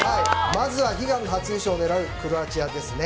まずは悲願の初優勝を狙うクロアチアですね。